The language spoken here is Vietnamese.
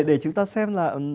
để chúng ta xem là